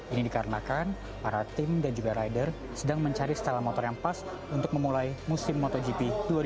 ini dikarenakan para tim dan juga rider sedang mencari stella motor yang pas untuk memulai musim motogp dua ribu dua puluh